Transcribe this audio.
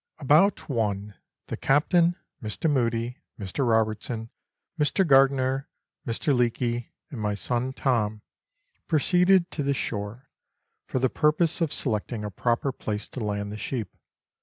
About one, the Captain, Mr. Mudie, Mr. Robertson, Mr. Gardiner, Mr. Leake, and my son Tom proceeded to the shore, for the purpose of selecting a proper place to land the sheep.